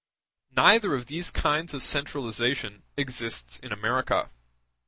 Neither of these kinds of centralization exists in America.